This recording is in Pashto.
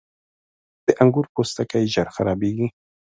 • د انګور پوستکی ژر خرابېږي.